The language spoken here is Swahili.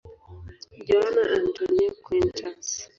Joana Antónia Quintas.